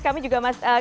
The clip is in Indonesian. kami juga masih